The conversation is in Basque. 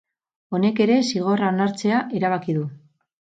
Honek ere zigorra onartzea erabaki du.